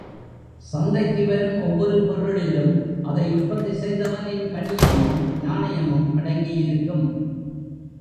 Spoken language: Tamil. சந்தைக்கு வரும் ஒவ்வொரு பொருளிலும் அதை உற்பத்தி செய்தவனின் கண்ணியமும் நாணயமும் அடங்கியிருக்கும்.